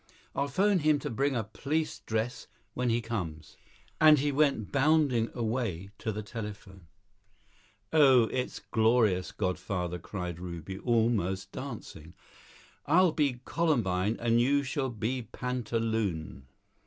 I'll phone him to bring a police dress when he comes." And he went bounding away to the telephone. "Oh, it's glorious, godfather," cried Ruby, almost dancing. "I'll be columbine and you shall be pantaloon."